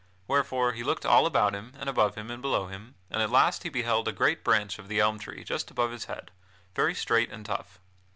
Wherefore he looked all about him and above him and below him, and at last he beheld a great branch of the elm tree just above his head, very straight and tough.